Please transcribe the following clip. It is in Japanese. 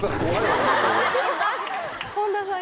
本田さん